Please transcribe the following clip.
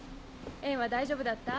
園は大丈夫だった？